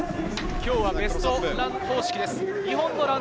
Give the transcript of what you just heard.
今日はベストラン方式です。